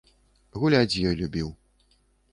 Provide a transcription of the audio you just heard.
Гуляць з ёй любіў.